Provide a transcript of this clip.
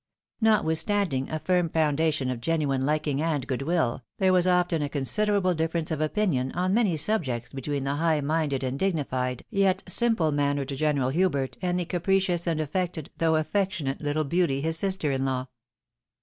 Nottfith standing a firm foundation of genuine liking and goodwill, there was often a considerable difference of opinion on many subjects between the high minded and dignified, yet simple mannered General Hubert, and the capricious and affected, though afieo tionate httle beauty, his sister in law.